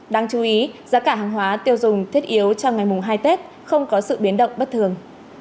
đáng chú ý giá cả hàng hóa tiêu dùng thiết yếu trong ngày mùng hai tết không có sự biến động bất thường